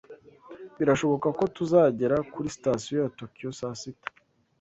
Birashoboka ko tuzagera kuri sitasiyo ya Tokiyo saa sita.